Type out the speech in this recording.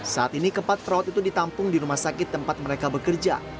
saat ini keempat perawat itu ditampung di rumah sakit tempat mereka bekerja